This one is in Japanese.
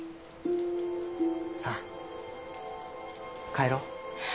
さあ帰ろう。